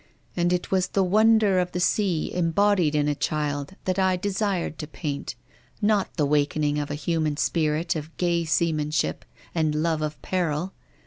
And it was the wonder of the sea embodied in a child that I de sired to paint, not the wakening of a human spirit of gay seamanship and love of peril.